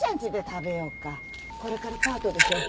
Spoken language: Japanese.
これからパートでしょう？